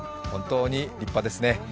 本当に立派ですね。